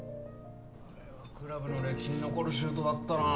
クラブの歴史に残るシュートだったなぁ。